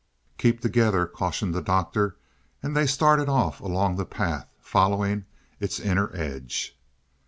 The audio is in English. "Keep together," cautioned the Doctor, and they started off along the path, following its inner edge.